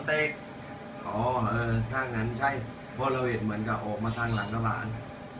อ๋อถ้าอย่างนั้นใช่เพราะเราเห็นเหมือนจะออกมาทางหลังก็บ้าง